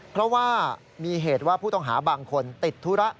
เพราะว่ามีเหตุว่าผู้ต้องหาบางคนติดธุระ